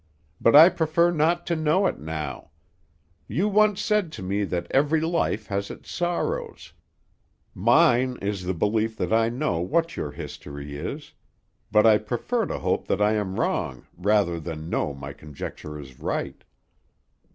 "But I prefer not to know it now. You once said to me that every life has its sorrow; mine is the belief that I know what your history is; but I prefer to hope that I am wrong rather than know my conjecture is right."